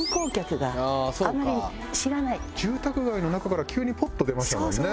住宅街の中から急にポッと出ましたもんね。